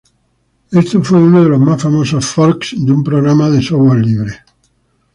Este fue uno de los más famosos forks de un programa de software libre.